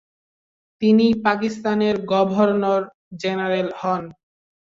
তিনি পাকিস্তানের governor general হন।